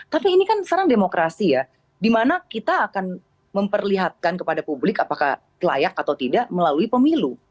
tapi ini kan sekarang demokrasi ya dimana kita akan memperlihatkan kepada publik apakah layak atau tidak melalui pemilu